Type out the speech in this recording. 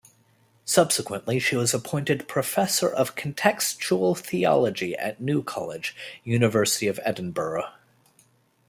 Subsequently, she was appointed Professor of Contextual Theology at New College, University of Edinburgh.